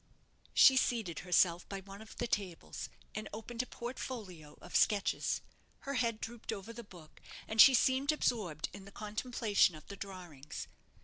She seated herself by one of the tables, and opened a portfolio of sketches. Her head drooped over the book, and she seemed absorbed in the contemplation of the drawings.